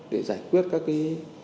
để giải quyết các cái